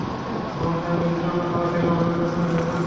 আমার স্বামী ব্যতীত অন্য সবার থেকে আমার লজ্জাস্থানকে হিফাজত করেছি।